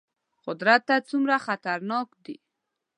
قدرت ته څومره خطرناک دي.